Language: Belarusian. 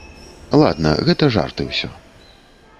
Ладна, гэта жарты ўсё.